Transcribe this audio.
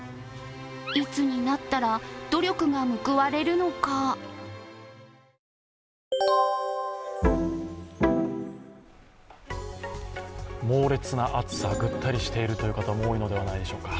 いつになったら、努力が報われるのか猛烈な暑さ、ぐったりとしているという方も多いんじゃないでしょうか。